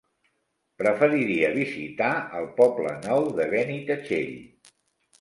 Preferiria visitar el Poble Nou de Benitatxell.